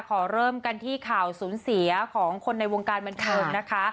ขอเริ่มกันที่ข่าวสูญเสียของคนในวงการบันเทิงนะคะ